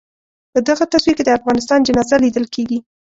په دغه تصویر کې د افغانستان جنازه لیدل کېږي.